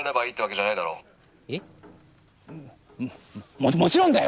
ももちろんだよ！